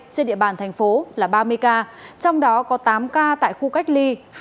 trên địa bàn thành phố là ba mươi ca trong đó có tám ca tại khu cách ly